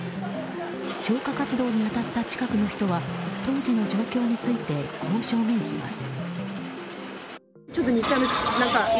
消火活動に当たった近くの人は当時の状況についてこう証言します。